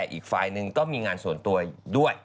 อีกฝ่ายหนึ่งก็มีงานส่วนตัวด้วย